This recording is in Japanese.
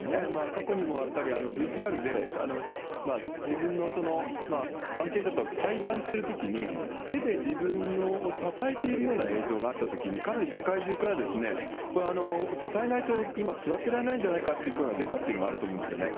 過去にもＶＴＲで自分の関係者と対談しているときに、手で自分を支えているような映像があったときに、かなり世界中からこれ、支えないと今、座ってられないんじゃないかって声が出たというのもあると思うんですよね。